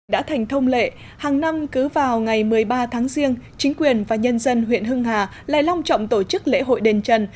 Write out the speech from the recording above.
đã thành thông lệ hàng năm cứ vào ngày một mươi ba tháng riêng chính quyền và nhân dân huyện hưng hà lại long trọng tổ chức lễ hội đền trần